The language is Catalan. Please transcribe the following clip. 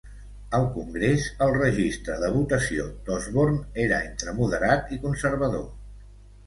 Al Congrés, el registre de votació d'Osborne era entre moderat i conservador.